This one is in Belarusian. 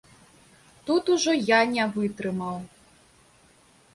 Тут ужо я не вытрымаў.